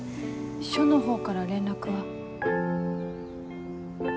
署のほうから連絡は？